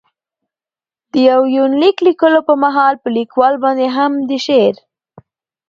دې يونليک ليکلو په مهال، په ليکوال باندې هم د شعر.